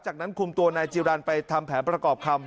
จากนั้นคุมตัวนายจิรันไปทำแผนประกอบคำ